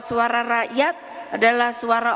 suara rakyat adalah suara